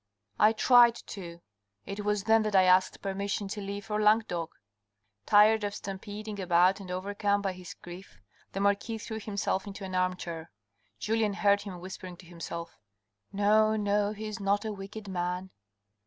" I tried to. It was then that I asked permission to leave for Languedoc." Tired of stampeding about and overcome by his grief, the marquis threw himself into an arm chair. Julien heard him whispering to himself, " No, no, he is not a wicked man."